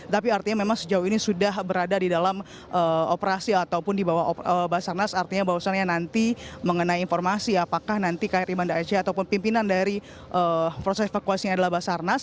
tapi artinya memang sejauh ini sudah berada di dalam operasi ataupun di bawah basarnas artinya bahwasannya nanti mengenai informasi apakah nanti kri banda aceh ataupun pimpinan dari proses evakuasinya adalah basarnas